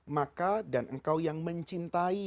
maka dan engkau yang mencintai